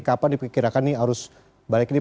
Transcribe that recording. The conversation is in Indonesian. kapan diperkirakan nih arus balik ini